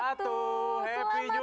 selamat tahun baru